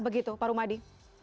begitu pak rumadi